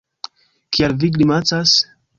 Kial vi grimacas?